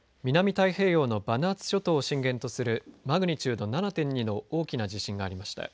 太平洋のバヌアツ諸島を震源とするマグニチュード７．２の大きな地震がありました。